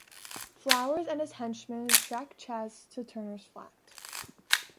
Flowers and his henchmen track Chas to Turner's flat.